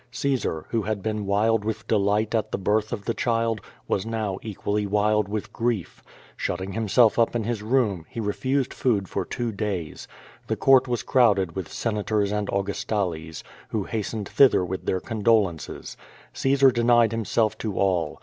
Caesar, who had been wild with delight at the birth, of the child, was now equally wild with grief. Shutting himself up in his room, he re fused food for two days. The Court was crowded with Sena tors and Augustales, who hastened thither with their condo lences. Caesar denied himself to all.